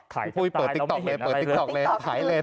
กูพูดเปิดติ๊กต๊อกเลยถ่ายเลยถ่ายเลย